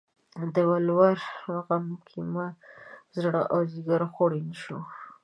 د ولور غم کې مې زړه او ځیګر خوړین شو